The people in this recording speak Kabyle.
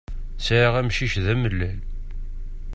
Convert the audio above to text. Sɛiɣ amcic d amellal.